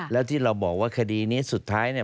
แล้วที่เราบอกว่าคดีนี้สุดท้ายเนี่ย